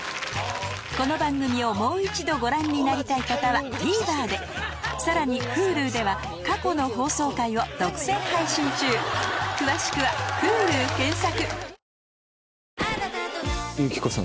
この番組をもう一度ご覧になりたい方はＴＶｅｒでさらにＨｕｌｕでは過去の放送回を独占配信中詳しくはフールー検索